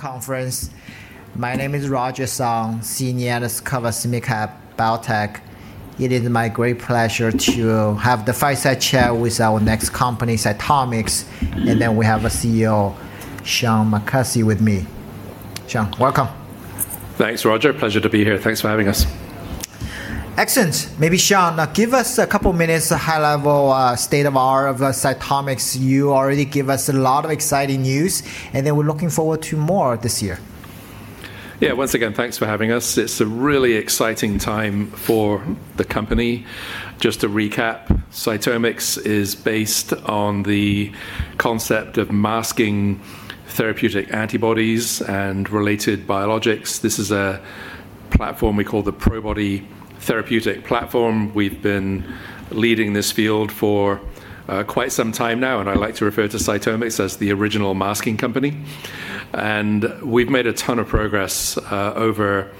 conference. My name is Roger Song, senior analyst cover small-cap biotech. It is my great pleasure to have the fireside chat with our next company, CytomX, and then we have our CEO, Sean McCarthy, with me. Sean, welcome. Thanks, Roger. Pleasure to be here. Thanks for having us. Excellent. Maybe Sean, give us a couple of minutes, a high-level state of our CytomX. You already give us a lot of exciting news. We're looking forward to more this year. Yeah. Once again, thanks for having us. It's a really exciting time for the company. Just to recap, CytomX is based on the concept of masking therapeutic antibodies and related biologics. This is a platform we call the Probody therapeutic platform. We've been leading this field for quite some time now, and I like to refer to CytomX as the original masking company. We've made a ton of progress over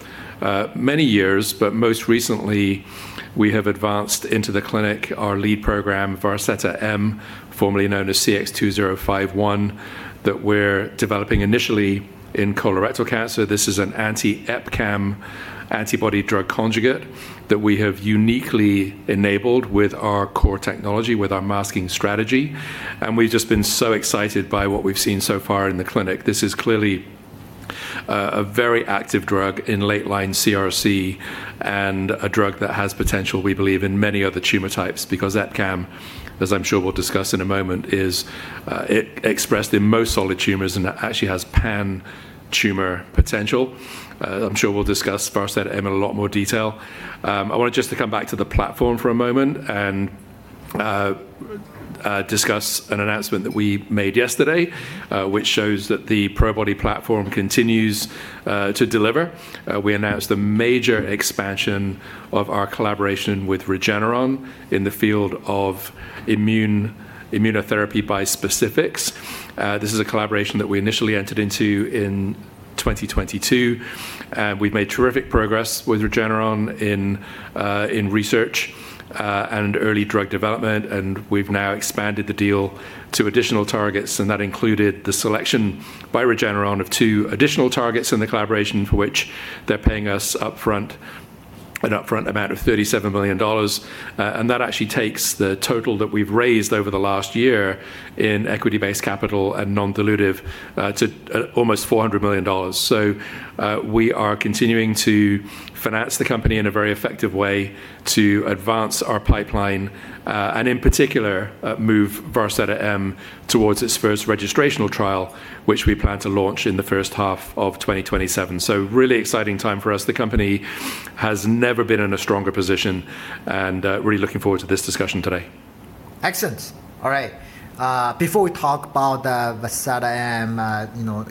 many years, but most recently we have advanced into the clinic our lead program, Varseta-M, formerly known as CX-2051, that we're developing initially in colorectal cancer. This is an anti-EpCAM antibody drug conjugate that we have uniquely enabled with our core technology, with our masking strategy, and we've just been so excited by what we've seen so far in the clinic. This is clearly a very active drug in late-line CRC and a drug that has potential, we believe, in many other tumor types because EpCAM, as I'm sure we'll discuss in a moment, is expressed in most solid tumors and actually has pan-tumor potential. I'm sure we'll discuss Varseta-M in a lot more detail. I wanted just to come back to the platform for a moment and discuss an announcement that we made yesterday, which shows that the Probody platform continues to deliver. We announced a major expansion of our collaboration with Regeneron in the field of immunotherapy bispecifics. This is a collaboration that we initially entered into in 2022. We've made terrific progress with Regeneron in research and early drug development. We've now expanded the deal to additional targets. That included the selection by Regeneron of two additional targets in the collaboration for which they're paying us an upfront amount of $37 million. That actually takes the total that we've raised over the last year in equity-based capital and non-dilutive to almost $400 million. We are continuing to finance the company in a very effective way to advance our pipeline, and in particular, move Vazetza-M towards its first registrational trial, which we plan to launch in the first half of 2027. Really exciting time for us. The company has never been in a stronger position and really looking forward to this discussion today. Excellent. All right. Before we talk about Varseta-M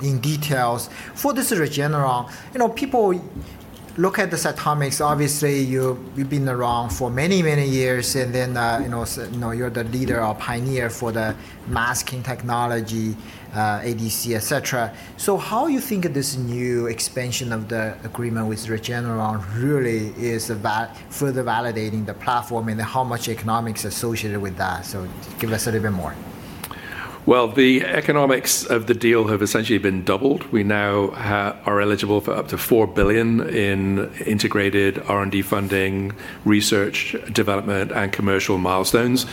in details, for this is Regeneron. People look at the CytomX, obviously, you've been around for many, many years, and then you're the leader or pioneer for the masking technology, ADC, et cetera. How you think of this new expansion of the agreement with Regeneron really is about further validating the platform and how much economics associated with that? Give us a little bit more. Well, the economics of the deal have essentially been doubled. We now are eligible for up to $4 billion in integrated R&D funding, research, development, and commercial milestones.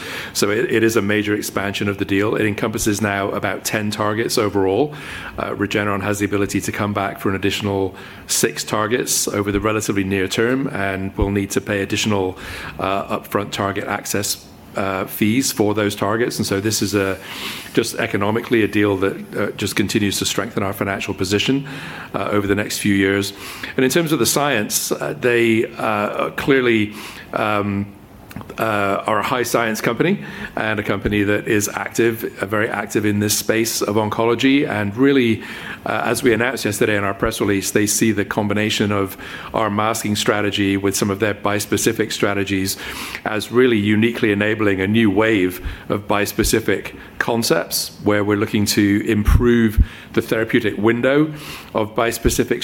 It is a major expansion of the deal. It encompasses now about 10 targets overall. Regeneron has the ability to come back for an additional six targets over the relatively near term and will need to pay additional upfront target access fees for those targets. This is just economically a deal that just continues to strengthen our financial position over the next few years. In terms of the science, they clearly are a high science company and a company that is very active in this space of oncology. Really, as we announced yesterday in our press release, they see the combination of our masking strategy with some of their bispecific strategies as really uniquely enabling a new wave of bispecific concepts, Where we're looking to improve the therapeutic window of bispecific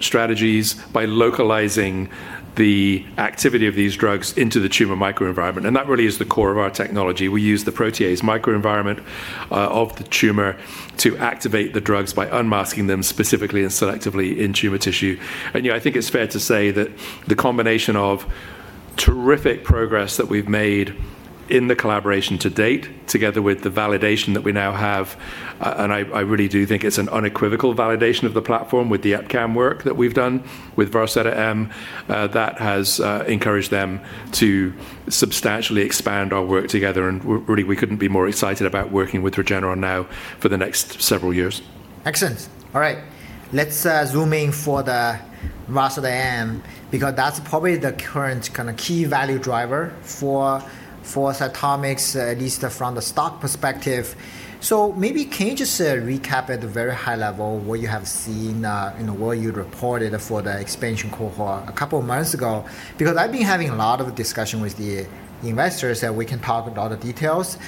strategies by localizing the activity of these drugs into the tumor microenvironment. That really is the core of our technology. We use the protease microenvironment of the tumor to activate the drugs by unmasking them specifically and selectively in tumor tissue. I think it's fair to say that the combination of terrific progress that we've made in the collaboration to date, together with the validation that we now have, and I really do think it's an unequivocal validation of the platform with the EpCAM work that we've done with Varseta-M, that has encouraged them to substantially expand our work together, and really, we couldn't be more excited about working with Regeneron now for the next several years. Excellent. All right. Let's zoom in for the Varseta-M because that's probably the current key value driver for CytomX, at least from the stock perspective. Maybe can you just recap at a very high level what you have seen and what you reported for the expansion cohort a couple of months ago? Because I've been having a lot of discussion with the investors that we can talk about the details.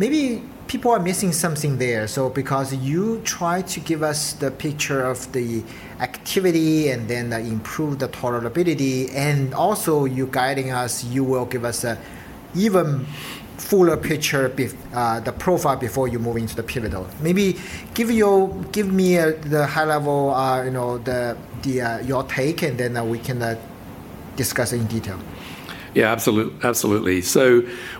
Maybe people are missing something there. Because you try to give us the picture of the activity and then improve the tolerability, and also you guiding us, you will give us an even fuller picture, the profile before you move into the pivotal. Maybe give me the high level, your take, and then we can discuss in detail. Yeah, absolutely.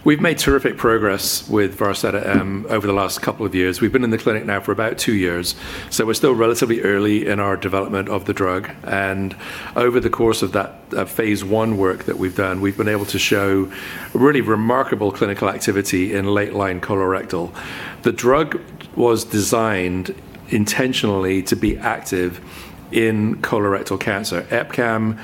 We've made terrific progress with Varseta-M over the last couple of years. We've been in the clinic now for about two years, we're still relatively early in our development of the drug. Over the course of that phase I work that we've done, we've been able to show really remarkable clinical activity in late-line colorectal. The drug was designed intentionally to be active in colorectal cancer. EpCAM,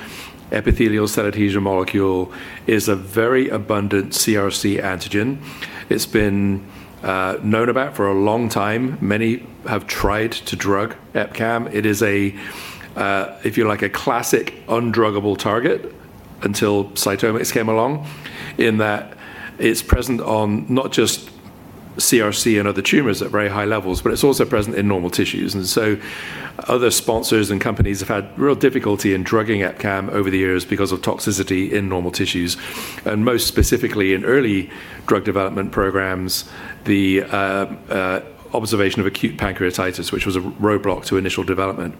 epithelial cell adhesion molecule, is a very abundant CRC antigen. It's been known about for a long time. Many have tried to drug EpCAM. It is, if you like, a classic undruggable target until CytomX came along, in that it's present on not just CRC and other tumors at very high levels, but it's also present in normal tissues. Other sponsors and companies have had real difficulty in drugging EpCAM over the years because of toxicity in normal tissues, and most specifically in early drug development programs, the observation of acute pancreatitis, which was a roadblock to initial development.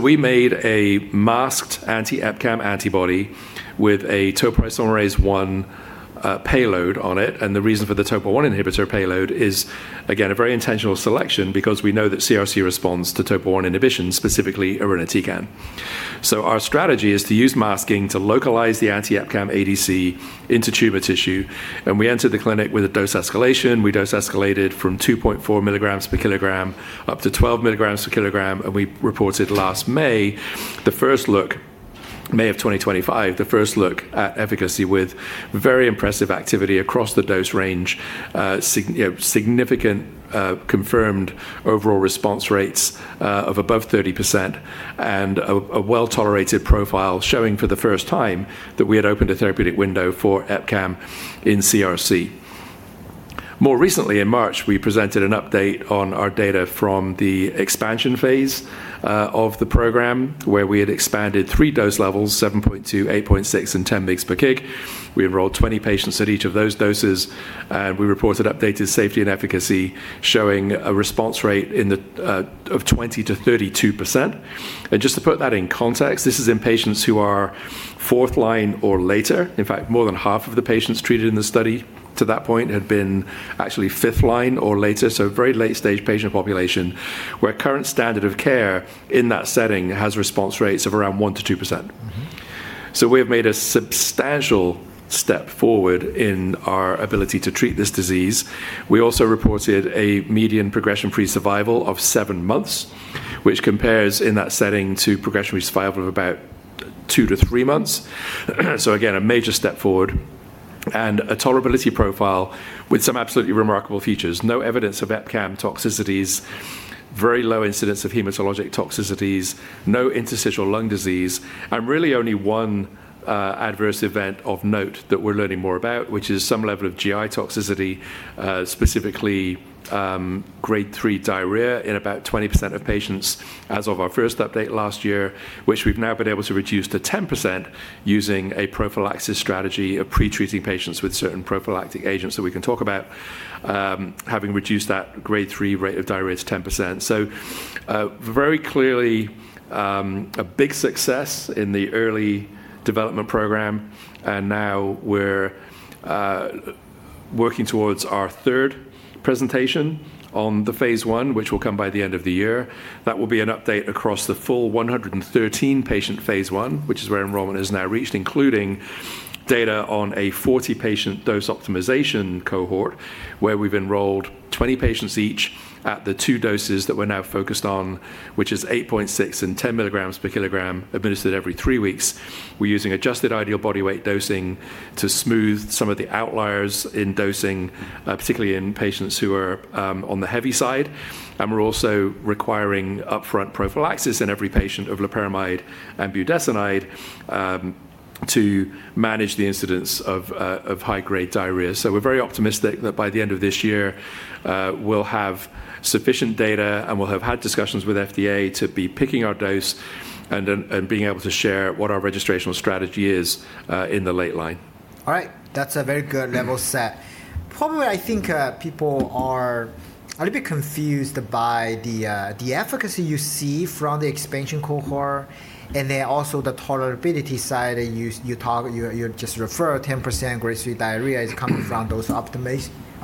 We made a masked anti-EpCAM antibody with a topoisomerase I payload on it. The reason for the topo I inhibitor payload is, again, a very intentional selection because we know that CRC responds to topo I inhibition, specifically irinotecan. Our strategy is to use masking to localize the anti-EpCAM ADC into tumor tissue, and we entered the clinic with a dose escalation. We dose escalated from 2.4 mg/kg up to 12 mg/kg, and we reported last May, the first look May of 2025, the first look at efficacy with very impressive activity across the dose range, significant confirmed overall response rates of above 30%, and a well-tolerated profile showing for the first time that we had opened a therapeutic window for EpCAM in CRC. More recently, in March, we presented an update on our data from the expansion phase of the program, where we had expanded three dose levels, 7.2, 8.6, and 10 mg/kg. We enrolled 20 patients at each of those doses. We reported updated safety and efficacy, showing a response rate of 20%-32%. Just to put that in context, this is in patients who are fourth line or later. In fact, more than half of the patients treated in the study to that point had been actually fifth line or later, so very late-stage patient population, where current standard of care in that setting has response rates of around 1%-2%. We have made a substantial step forward in our ability to treat this disease. We also reported a median progression-free survival of seven months, which compares in that setting to progression-free survival of about two to three months. Again, a major step forward and a tolerability profile with some absolutely remarkable features. No evidence of EpCAM toxicities, very low incidence of hematologic toxicities, no interstitial lung disease, and really only one adverse event of note that we're learning more about, which is some level of GI toxicity, specifically Grade 3 diarrhea in about 20% of patients as of our first update last year, which we've now been able to reduce to 10% using a prophylaxis strategy of pre-treating patients with certain prophylactic agents that we can talk about, having reduced that Grade 3 rate of diarrhea to 10%. Very clearly, a big success in the early development program, and now we're working towards our third presentation on the phase I, which will come by the end of the year. That will be an update across the full 113-patient phase I, which is where enrollment is now reached, including data on a 40-patient dose optimization cohort, Where we've enrolled 20 patients each at the two doses that we're now focused on, which is 8.6 and 10 mg/kg administered every three weeks. We're using adjusted ideal body weight dosing to smooth some of the outliers in dosing, particularly in patients who are on the heavy side. We're also requiring upfront prophylaxis in every patient of loperamide and budesonide to manage the incidence of high-grade diarrhea. We're very optimistic that by the end of this year, we'll have sufficient data, and we'll have had discussions with FDA to be picking our dose and being able to share what our registrational strategy is in the late line. All right. That's a very good level set. Probably, I think people are a little bit confused by the efficacy you see from the expansion cohort and then also the tolerability side, and you just referred 10% Grade 3 diarrhea is coming from those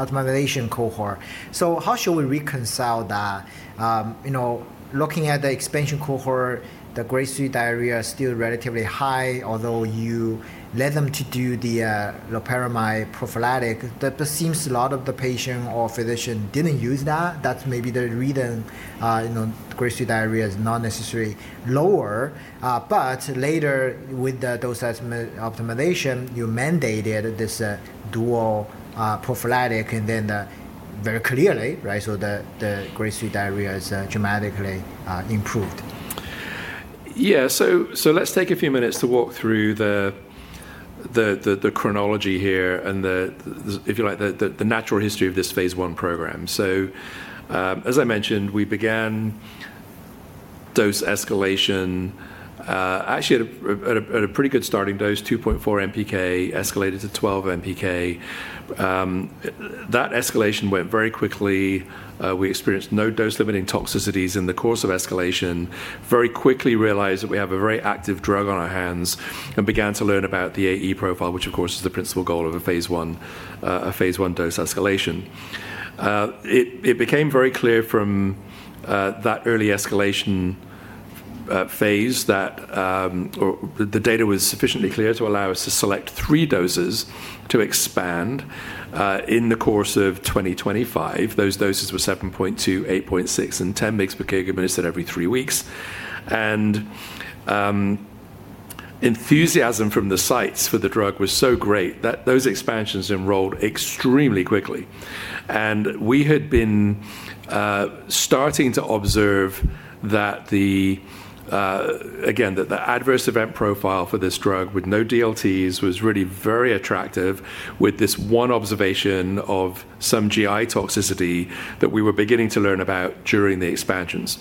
optimization cohort. How should we reconcile that? Looking at the expansion cohort, the Grade 3 diarrhea is still relatively high, although you led them to do the loperamide prophylactic. That seems a lot of the patient or physician didn't use that. That's maybe the reason Grade 3 diarrhea is not necessarily lower. Later with the dose optimization, you mandated this dual prophylactic, and then very clearly, right? The Grade 3 diarrhea is dramatically improved. Let's take a few minutes to walk through the chronology here and, if you like, the natural history of this phase I program. As I mentioned, we began dose escalation, actually, at a pretty good starting dose, 2.4 MPK escalated to 12 MPK. That escalation went very quickly. We experienced no dose-limiting toxicities in the course of escalation. Very quickly realized that we have a very active drug on our hands and began to learn about the AE profile, which, of course, is the principal goal of a phase I dose escalation. It became very clear from that early escalation phase that the data was sufficiently clear to allow us to select three doses to expand in the course of 2025. Those doses were 7.2, 8.6, and 10 mgs/kg administered every three weeks. Enthusiasm from the sites for the drug was so great that those expansions enrolled extremely quickly. We had been starting to observe, again, that the adverse event profile for this drug with no DLTs was really very attractive with this one observation of some GI toxicity that we were beginning to learn about during the expansions.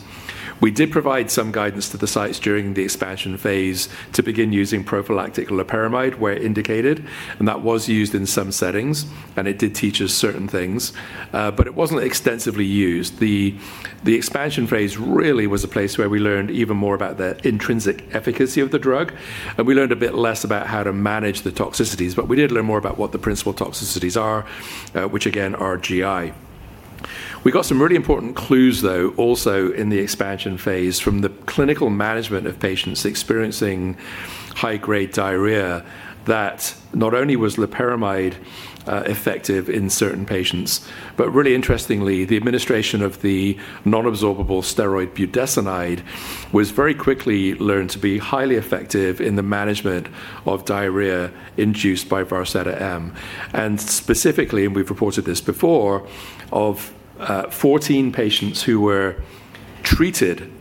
We did provide some guidance to the sites during the expansion phase to begin using prophylactic loperamide where indicated, and that was used in some settings, and it did teach us certain things. It wasn't extensively used. The expansion phase really was a place where we learned even more about the intrinsic efficacy of the drug, and we learned a bit less about how to manage the toxicities. We did learn more about what the principal toxicities are, which again, are GI. We got some really important clues, though, also in the expansion phase from the clinical management of patients experiencing high-grade diarrhea, that not only was loperamide effective in certain patients, but really interestingly, the administration of the non-absorbable steroid budesonide was very quickly learned to be highly effective in the management of diarrhea induced by Varseta-M. Specifically, we've reported this before, of 14 patients who were treated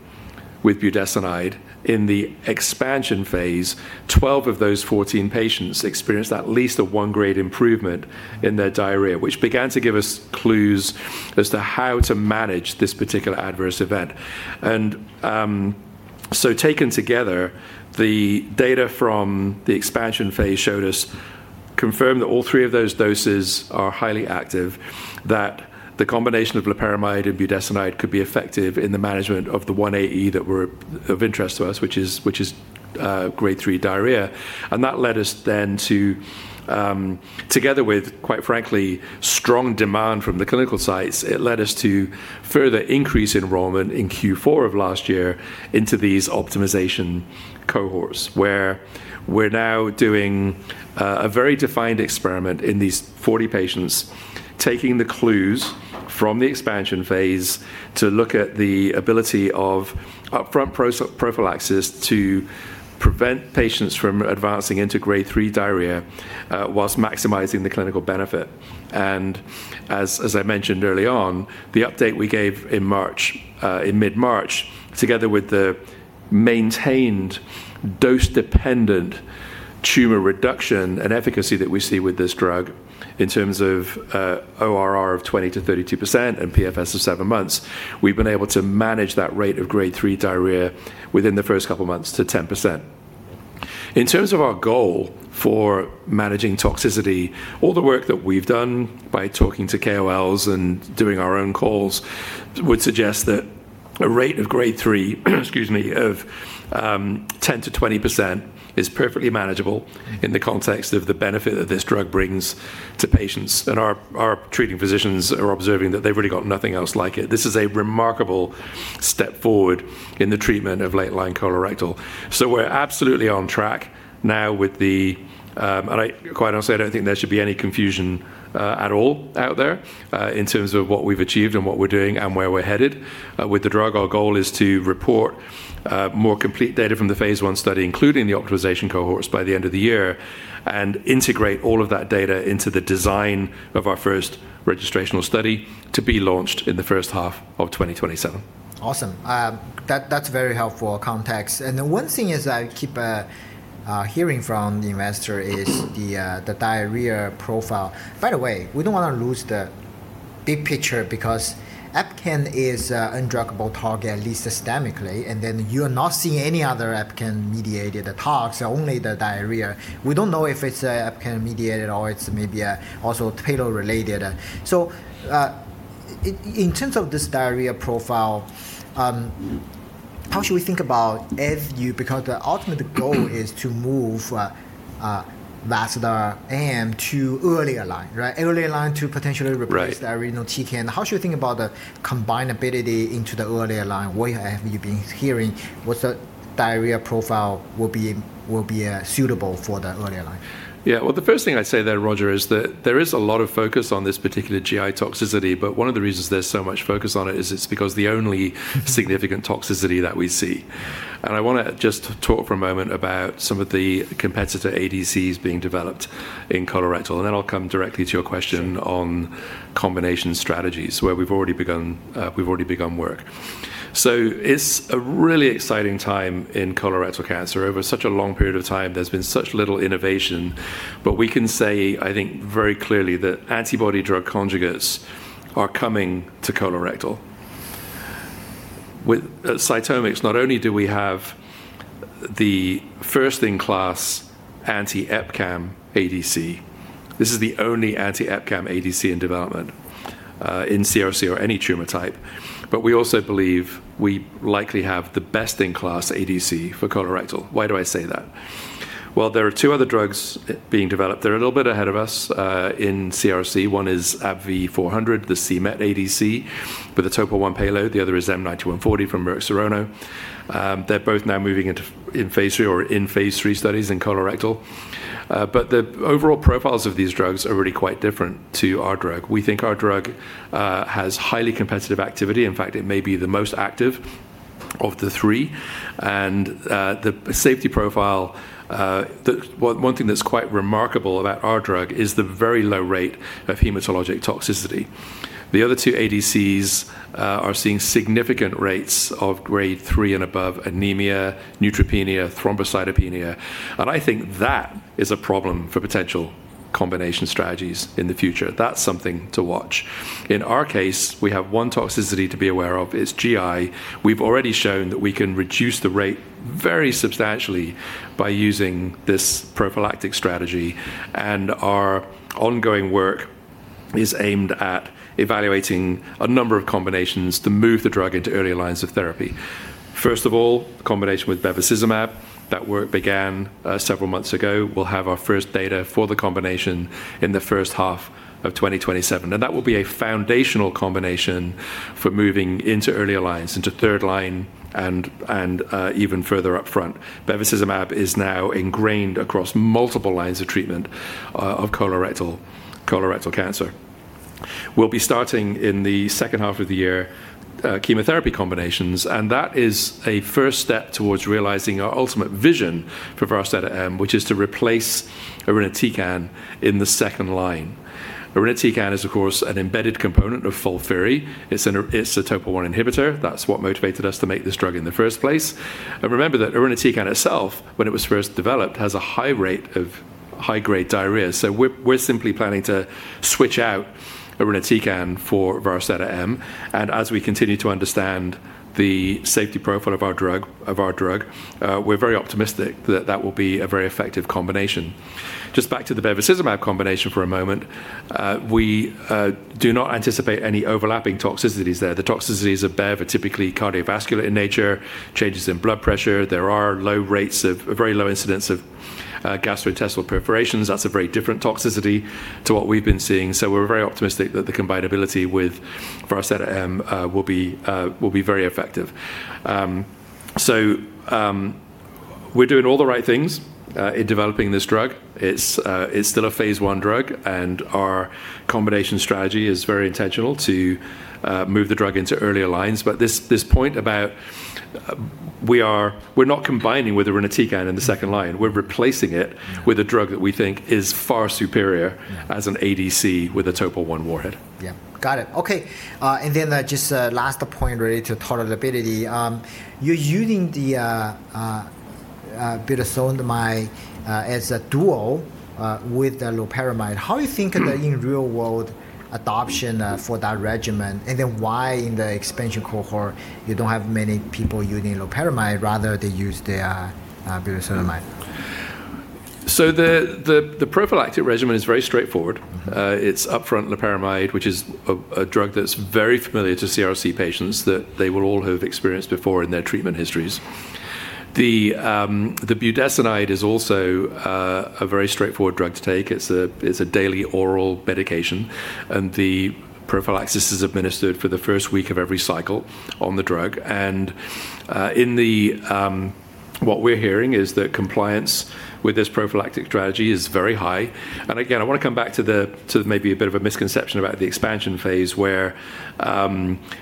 with budesonide in the expansion phase, 12 of those 14 patients experienced at least a 1-grade improvement in their diarrhea, which began to give us clues as to how to manage this particular adverse event. Taken together, the data from the expansion phase showed us, confirmed that all three of those doses are highly active, that the combination of loperamide and budesonide could be effective in the management of the one AE that were of interest to us, which is Grade 3 diarrhea. That led us then to, together with, quite frankly, strong demand from the clinical sites, it led us to further increase enrollment in Q4 of last year into these optimization cohorts. Where we're now doing a very defined experiment in these 40 patients, taking the clues from the expansion phase to look at the ability of upfront prophylaxis to prevent patients from advancing into Grade 3 diarrhea, whilst maximizing the clinical benefit. As I mentioned early on, the update we gave in mid-March, together with the maintained dose-dependent tumor reduction and efficacy that we see with this drug in terms of ORR of 20%-32% and PFS of seven months, we've been able to manage that rate of Grade 3 diarrhea within the first couple of months to 10%. In terms of our goal for managing toxicity, all the work that we've done by talking to KOLs and doing our own calls would suggest that a rate of Grade 3 of 10%-20% is perfectly manageable in the context of the benefit that this drug brings to patients. Our treating physicians are observing that they've really got nothing else like it. This is a remarkable step forward in the treatment of late-line colorectal. We're absolutely on track now. Quite honestly, I don't think there should be any confusion at all out there in terms of what we've achieved and what we're doing and where we're headed with the drug. Our goal is to report more complete data from the phase I study, including the optimization cohorts, by the end of the year, and integrate all of that data into the design of our first registrational study to be launched in the first half of 2027. Awesome. That's very helpful context. The one thing is I keep hearing from the investor is the diarrhea profile. By the way, we don't want to lose the big picture because EpCAM is an undruggable target, at least systemically, and then you're not seeing any other EpCAM-mediated tox, only the diarrhea. We don't know if it's EpCAM-mediated or it's maybe also TPO-related. In terms of this diarrhea profile, how should we think about FU? The ultimate goal is to move Varseta-M to earlier line, right? Earlier line to potentially replace, Right. Irinotecan. How should we think about the combinability into the earlier line? What have you been hearing? What's the diarrhea profile will be suitable for the earlier line? Well, the first thing I'd say there, Roger, is that there is a lot of focus on this particular GI toxicity, but one of the reasons there's so much focus on it is because the only significant toxicity that we see. I want to just talk for a moment about some of the competitor ADCs being developed in colorectal, then I'll come directly to your question on combination strategies where we've already begun work. It's a really exciting time in colorectal cancer. Over such a long period of time, there's been such little innovation, but we can say, I think, very clearly that antibody-drug conjugates are coming to colorectal. With CytomX, not only do we have the first-in-class anti-EpCAM ADC, this is the only anti-EpCAM ADC in development in CRC or any tumor type, but we also believe we likely have the best-in-class ADC for colorectal. Why do I say that? There are two other drugs being developed. They're a little bit ahead of us in CRC. One is ABBV-400, the c-Met ADC with a Topoisomerase I payload. The other is M9140 from Merck Serono. They're both now moving into phase III or in phase III studies in colorectal. The overall profiles of these drugs are really quite different to our drug. We think our drug has highly competitive activity. In fact, it may be the most active of the three. The safety profile, one thing that's quite remarkable about our drug is the very low rate of hematologic toxicity. The other two ADCs are seeing significant rates of Grade 3 and above anemia, neutropenia, thrombocytopenia, and I think that is a problem for potential combination strategies in the future. That's something to watch. In our case, we have one toxicity to be aware of is GI. We've already shown that we can reduce the rate very substantially by using this prophylactic strategy, and our ongoing work is aimed at evaluating a number of combinations to move the drug into earlier lines of therapy. First of all, combination with bevacizumab, that work began several months ago. We'll have our first data for the combination in the first half of 2027, and that will be a foundational combination for moving into earlier lines, into third line and even further up front. Bevacizumab is now ingrained across multiple lines of treatment of colorectal cancer. We'll be starting in the second half of the year, chemotherapy combinations, and that is a first step towards realizing our ultimate vision for Varseta-M, which is to replace irinotecan in the second line. Irinotecan is, of course, an embedded component of FOLFIRI. It's a Topoisomerase I inhibitor. That's what motivated us to make this drug in the first place. Remember that irinotecan itself, when it was first developed, has a high rate of high-grade diarrhea. We're simply planning to switch out irinotecan for Varseta-M, and as we continue to understand the safety profile of our drug, we're very optimistic that that will be a very effective combination. Just back to the bevacizumab combination for a moment. We do not anticipate any overlapping toxicities there. The toxicities of bev are typically cardiovascular in nature, changes in blood pressure. There are very low incidents of gastrointestinal perforations. That's a very different toxicity to what we've been seeing. We're very optimistic that the combinability with Varseta-M will be very effective. We're doing all the right things in developing this drug. It's still a phase I drug, and our combination strategy is very intentional to move the drug into earlier lines. This point about we're not combining with irinotecan in the second line. We're replacing it with a drug that we think is far superior as an ADC with a Topoisomerase I warhead. Yeah. Got it. Okay. Just last point really to tolerability. You're using the budesonide as a dual with the loperamide. How you think that in real-world adoption for that regimen and then why in the expansion cohort you don't have many people using loperamide, rather they use the budesonide? The prophylactic regimen is very straightforward. It's upfront loperamide, which is a drug that's very familiar to CRC patients that they will all have experienced before in their treatment histories. The budesonide is also a very straightforward drug to take. It's a daily oral medication, and the prophylaxis is administered for the first week of every cycle on the drug. What we're hearing is that compliance with this prophylactic strategy is very high. Again, I want to come back to maybe a bit of a misconception about the expansion phase where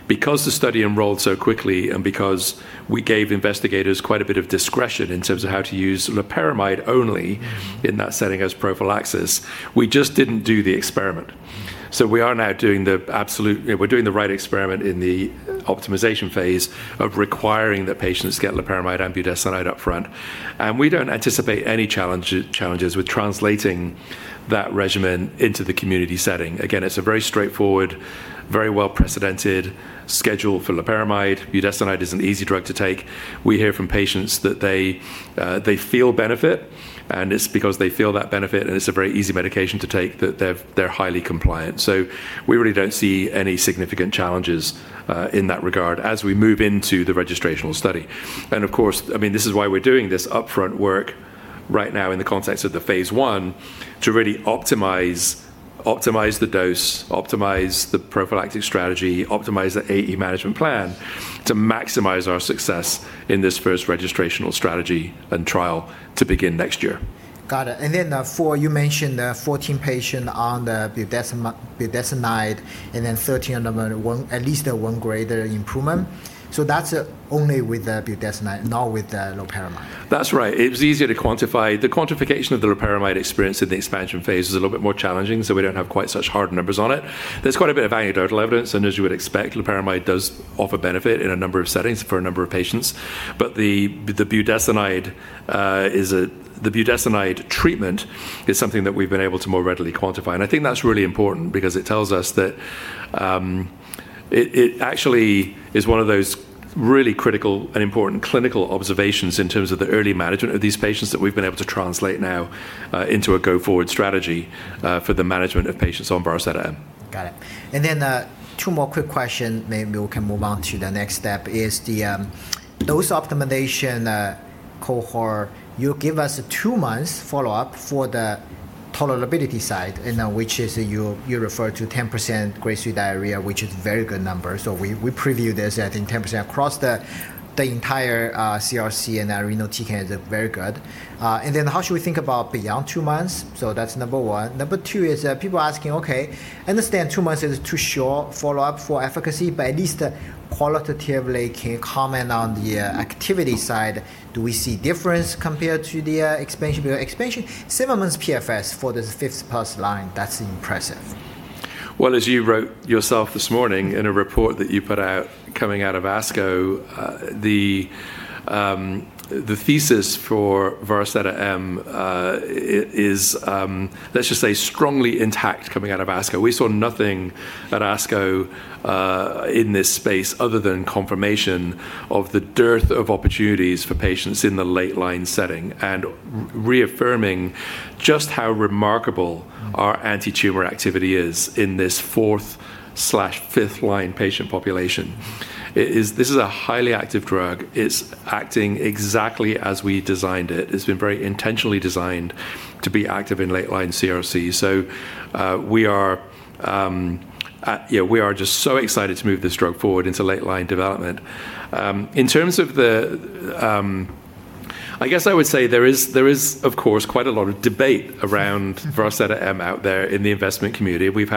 because the study enrolled so quickly and because we gave investigators quite a bit of discretion in terms of how to use loperamide only in that setting as prophylaxis, we just didn't do the experiment. We are now doing the right experiment in the optimization phase of requiring that patients get loperamide and budesonide up front. We don't anticipate any challenges with translating that regimen into the community setting. Again, it's a very straightforward, very well-precedented schedule for loperamide. Budesonide is an easy drug to take. We hear from patients that they feel benefit, and it's because they feel that benefit, and it's a very easy medication to take that they're highly compliant. We really don't see any significant challenges in that regard as we move into the registrational study. Of course, this is why we're doing this upfront work right now in the context of the phase I to really optimize the dose, optimize the prophylactic strategy, optimize the AE management plan to maximize our success in this first registrational strategy and trial to begin next year. Got it. You mentioned the 14 patients on the budesonide, and then 13 on the one, at least a 1-grade improvement. That's only with the budesonide, not with the loperamide. That's right. It was easier to quantify. The quantification of the loperamide experience in the expansion phase is a little bit more challenging, so we don't have quite such hard numbers on it. There's quite a bit of anecdotal evidence, and as you would expect, loperamide does offer benefit in a number of settings for a number of patients. The budesonide treatment is something that we've been able to more readily quantify. I think that's really important because it tells us that it actually is one of those really critical and important clinical observations in terms of the early management of these patients that we've been able to translate now into a go-forward strategy for the management of patients on Varseta-M. Got it. Two more quick questions, maybe we can move on to the next step, is the dose optimization cohort. You give us a two-month follow-up for the tolerability side, and which is you refer to 10% Grade 3 diarrhea, which is a very good number. We preview this at in 10% across the entire CRC and renal cell TKI is very good. How should we think about beyond two months? That's number one. Number two is people asking, okay, understand two months is too short follow-up for efficacy, but at least qualitatively can you comment on the activity side? Do we see difference compared to the expansion? Seven months PFS for the 5th+ line, that's impressive. Well, as you wrote yourself this morning in a report that you put out coming out of ASCO, the thesis for Varseta-M is, let's just say strongly intact coming out of ASCO. We saw nothing at ASCO in this space other than confirmation of the dearth of opportunities for patients in the late line setting and reaffirming just how remarkable our anti-tumor activity is in this fourth/fifth-line patient population. This is a highly active drug. It's acting exactly as we designed it. It's been very intentionally designed to be active in late-line CRC. We are just so excited to move this drug forward into late-line development. I guess I would say there is, of course, quite a lot of debate around Varseta-M out there in the investment community. We've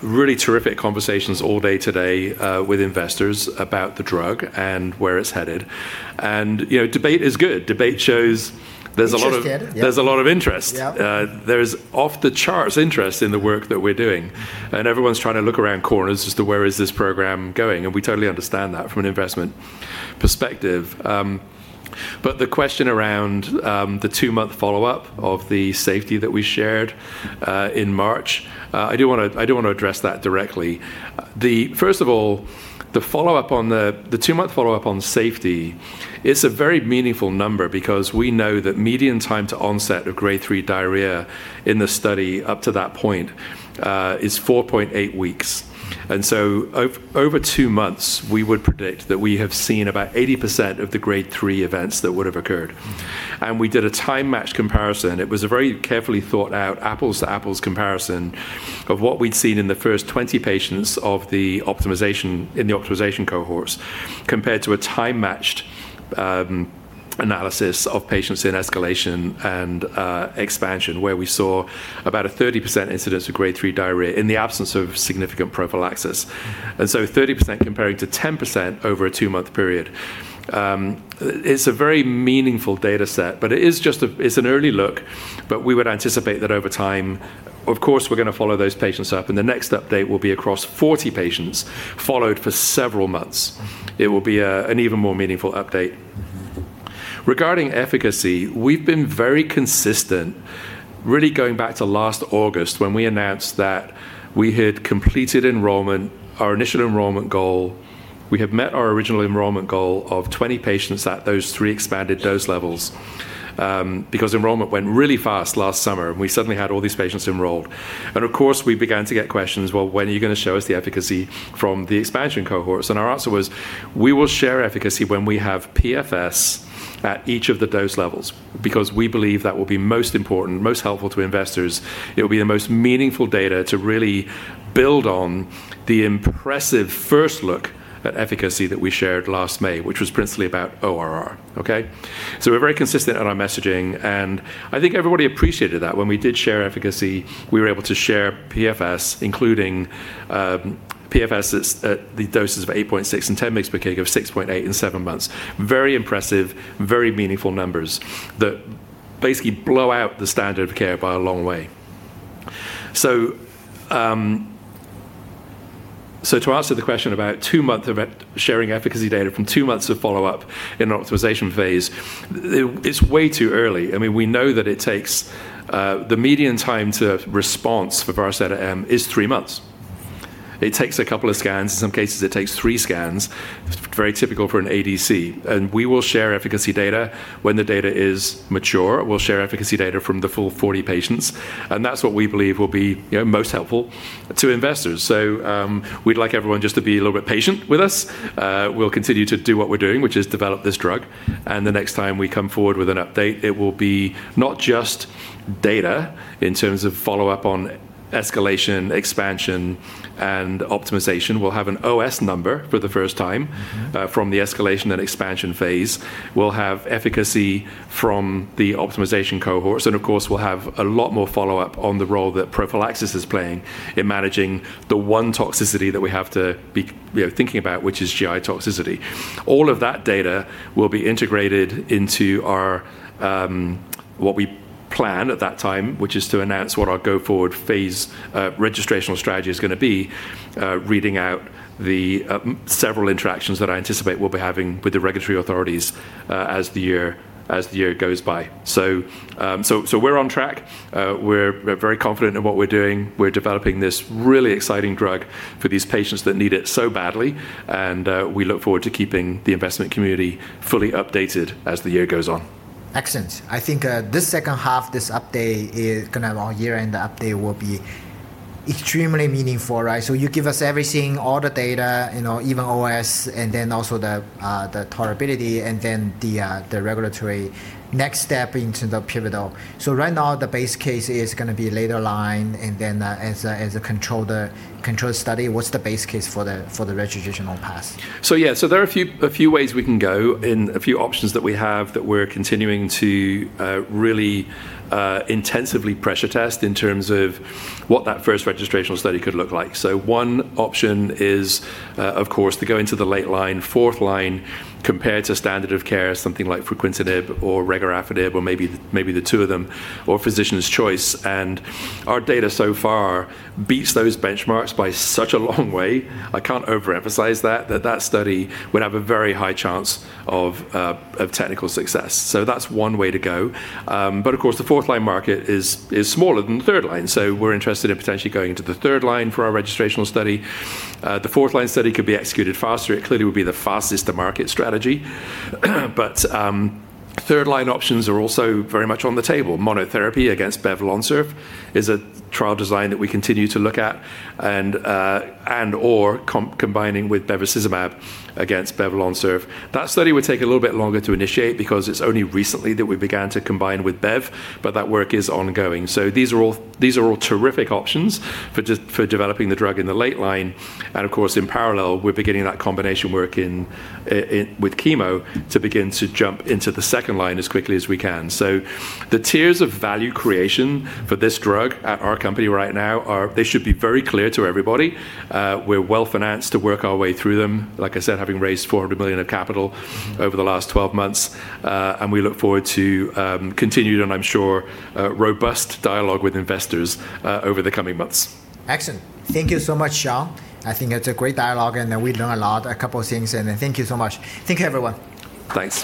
had really terrific conversations all day today with investors about the drug and where it's headed. Debate is good. Debate shows there's a lot of. It just did, yep. There's a lot of interest. Yep. There's off-the-charts interest in the work that we're doing. Everyone's trying to look around corners as to where is this program going, and we totally understand that from an investment perspective. The question around the two-month follow-up of the safety that we shared in March, I do want to address that directly. First of all, the two-month follow-up on safety is a very meaningful number because we know that median time to onset of Grade 3 diarrhea in the study up to that point is 4.8 weeks. Over two months, we would predict that we have seen about 80% of the Grade 3 events that would have occurred. We did a time-match comparison. It was a very carefully thought out apples-to-apples comparison of what we'd seen in the first 20 patients in the optimization cohorts, compared to a time-matched analysis of patients in escalation and expansion, where we saw about a 30% incidence of Grade 3 diarrhea in the absence of significant prophylaxis. 30% comparing to 10% over a two-month period. It's a very meaningful data set, but it's an early look, but we would anticipate that over time, of course, we're going to follow those patients up, and the next update will be across 40 patients followed for several months. It will be an even more meaningful update. Regarding efficacy, we've been very consistent, really going back to last August when we announced that we had completed enrollment, our initial enrollment goal. We have met our original enrollment goal of 20 patients at those three expanded dose levels, because enrollment went really fast last summer. We suddenly had all these patients enrolled. Of course, we began to get questions, "Well, when are you going to show us the efficacy from the expansion cohorts?" Our answer was, we will share efficacy when we have PFS at each of the dose levels, because we believe that will be most important, most helpful to investors. It will be the most meaningful data to really build on the impressive first look at efficacy that we shared last May, which was principally about ORR. We're very consistent on our messaging, and I think everybody appreciated that. When we did share efficacy, we were able to share PFS, including PFS at the doses of 8.6 and 10 mg/kg of 6.8 in seven months. Very impressive, very meaningful numbers that basically blow out the standard of care by a long way. To answer the question about sharing efficacy data from two months of follow-up in an optimization phase, it's way too early. We know that it takes the median time to response for Varseta-M is three months. It takes a couple of scans. In some cases, it takes three scans, very typical for an ADC. We will share efficacy data when the data is mature. We'll share efficacy data from the full 40 patients, and that's what we believe will be most helpful to investors. We'd like everyone just to be a little bit patient with us. We'll continue to do what we're doing, which is develop this drug, and the next time we come forward with an update, it will be not just data in terms of follow-up on escalation, expansion, and optimization. We'll have an OS number for the first time from the escalation and expansion phase. We'll have efficacy from the optimization cohorts, and of course, we'll have a lot more follow-up on the role that prophylaxis is playing in managing the one toxicity that we have to be thinking about, which is GI toxicity. All of that data will be integrated into what we plan at that time, which is to announce what our go-forward phase registrational strategy is going to be, reading out the several interactions that I anticipate we'll be having with the regulatory authorities as the year goes by. We're on track. We're very confident in what we're doing. We're developing this really exciting drug for these patients that need it so badly, and we look forward to keeping the investment community fully updated as the year goes on. Excellent. I think this second half, this update is going to have a long year. The update will be extremely meaningful. You give us everything, all the data, even OS, and then also the tolerability, and then the regulatory next step into the pivotal. Right now, the base case is going to be later line, and then as a control study. What's the base case for the registrational pass? Yeah. There are a few ways we can go and a few options that we have that we're continuing to really intensively pressure test in terms of what that first registrational study could look like. One option is, of course, to go into the late line, fourth line, compared to standard of care, something like fruquintinib or regorafenib, or maybe the two of them, or physician's choice. Our data so far beats those benchmarks by such a long way. I can't overemphasize that study would have a very high chance of technical success. That's one way to go. Of course, the fourth-line market is smaller than third line. We're interested in potentially going into the third line for our registrational study. The fourth line study could be executed faster. It clearly would be the fastest-to-market strategy. Third-line options are also very much on the table. Monotherapy against padeliporfin is a trial design that we continue to look at and/or combining with bevacizumab against padeliporfin. That study would take a little bit longer to initiate because it's only recently that we began to combine with Bev, but that work is ongoing. These are all terrific options for developing the drug in the late line. Of course, in parallel, we're beginning that combination work with chemo to begin to jump into the second line as quickly as we can. The tiers of value creation for this drug at our company right now. They should be very clear to everybody. We're well-financed to work our way through them, like I said, having raised $400 million of capital over the last 12 months. We look forward to continued, and I'm sure, robust dialogue with investors over the coming months. Excellent. Thank you so much, Sean. I think it's a great dialogue, and we learn a lot, a couple of things, and thank you so much. Thank you, everyone. Thanks.